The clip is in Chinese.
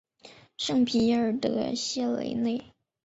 圣皮耶尔德谢雷内。